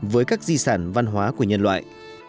với các di sản văn hóa của nhân loại